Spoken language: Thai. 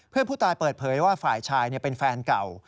เพื่อนผู้ตายเปิดเผยว่าฝ่ายชายเป็นแฟนเก่า